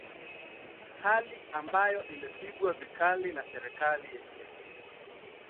hali ambayo imepingwa vikali na serikali yenyewe